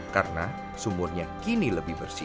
karena sumurnya kini lebih bersih